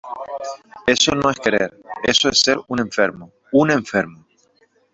eso no es querer . eso es ser un enfermo . un enfermo .